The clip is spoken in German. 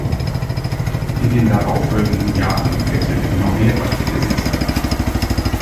In den darauffolgenden Jahren wechselten noch mehrfach die Besitzer.